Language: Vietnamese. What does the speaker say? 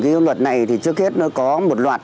cái luật này thì trước hết nó có một loạt